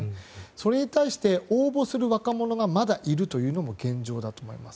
それに対して応募する若者がまだいるというのも現状だと思います。